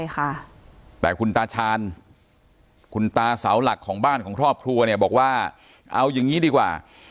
ค่ะแต่คุณตาชาญคุณตาเสาหลักของบ้านของครอบครัวเนี่ยบอกว่าเอาอย่างงี้ดีกว่า